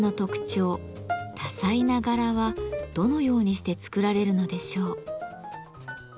多彩な柄はどのようにして作られるのでしょう？